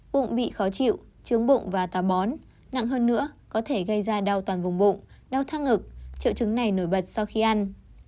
bụng bị khó chịu trướng bụng và tà bón nặng hơn nữa có thể gây ra đau toàn vùng bụng đau thác ngực triệu trứng này nổi bật sau khi ăn